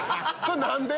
何で？